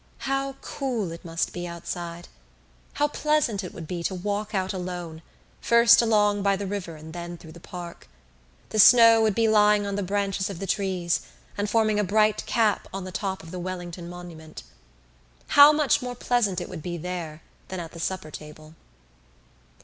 How cool it must be outside! How pleasant it would be to walk out alone, first along by the river and then through the park! The snow would be lying on the branches of the trees and forming a bright cap on the top of the Wellington Monument. How much more pleasant it would be there than at the supper table!